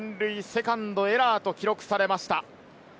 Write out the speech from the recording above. ２塁進塁はセカンドのエラーと記録されました。